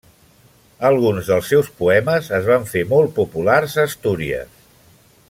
Alguns dels seus poemes es van fer molt populars a Astúries.